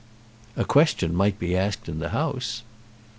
"A question might be asked in the House."